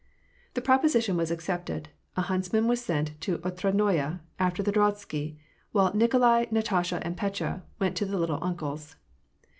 The proposition was accepted; a huntsman was sent to Otradnoye, after the drozhsky, while Nikolai, Natasha, and Petya, went to the " little uncle's."